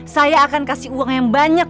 saya akan kasih uang yang banyak